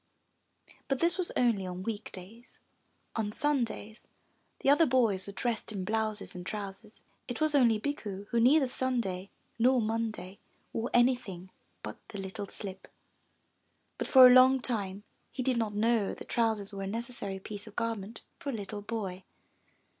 But this was only on week days; on Sundays the other boys were dressed in blouses and trousers. It was only Bikku who neither Sunday nor Monday wore anything but the little slip. But for a long time he did not know that trousers were a neces sary piece of garment for a little boy.